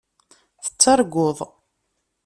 Tettarguḍ.